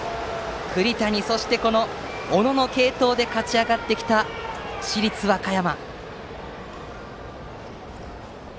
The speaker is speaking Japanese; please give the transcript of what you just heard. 栗谷、そして小野の継投で勝ち上がってきた、市立和歌山。